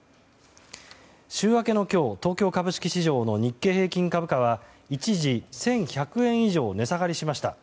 週明けの今日、東京株式市場の日経平均株価は一時１１００円以上値下がりしました。